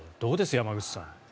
山口さん。